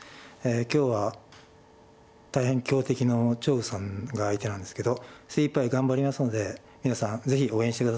今日は大変強敵の張栩さんが相手なんですけど精いっぱい頑張りますので皆さんぜひ応援して下さい。